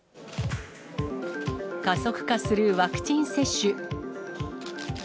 加速化するワクチン接種。